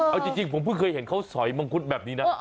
เอาจริงผมเพิ่งเคยเห็นเขาสอยมังคุดแบบนี้นะ